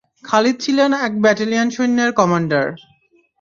খালিদ ছিলেন এক ব্যাটালিয়ন সৈন্যের কমান্ডার।